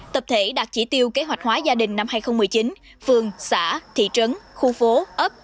tập thể đạt chỉ tiêu kế hoạch hóa gia đình năm hai nghìn một mươi chín phường xã thị trấn khu phố ấp